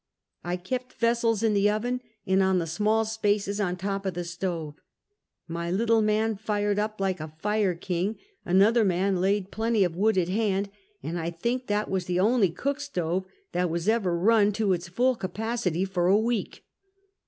I kept vessels in the oven and on the small spaces on top of the stove. Mj little man fired up like a fire king, another man laid plenty of wood at hand; and I think that was the only cook stove that was ever " run " to its full capacity for a week.